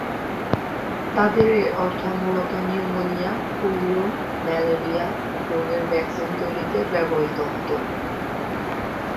তাদের এ অর্থ মূলত নিউমোনিয়া, পোলিও, ম্যালেরিয়া রোগের ভ্যাকসিন তৈরিতে ব্যবহৃত হচ্ছে।